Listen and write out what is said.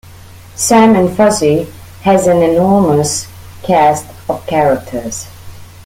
"Sam and Fuzzy" has an enormous cast of characters.